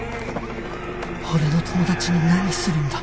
俺の友達に何するんだ！